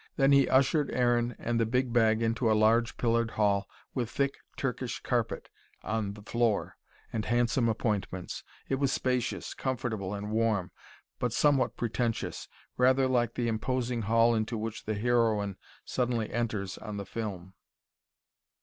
Then he ushered Aaron and the big bag into a large, pillared hall, with thick Turkish carpet on the floor, and handsome appointments. It was spacious, comfortable and warm; but somewhat pretentious; rather like the imposing hall into which the heroine suddenly enters on the film.